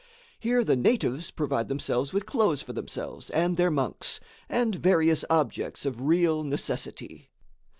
Here the natives provide themselves with cloths for themselves and their monks, and various objects of real necessity.